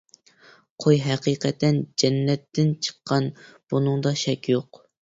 قوي ھەقىقەتەن جەننەتتىن چىققان بۇنىڭدا شەك يوق.